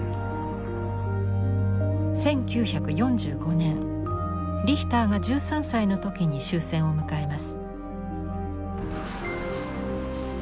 １９４５年リヒターが１３歳の時に終戦を迎えます。